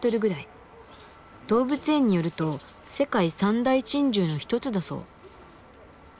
動物園によると世界三大珍獣の一つだそう。